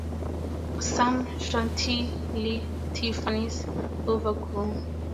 Some Chantilly-Tiffanys' overgroom.